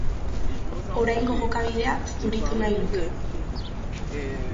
Oraingo jokabidea zuritu nahi luke.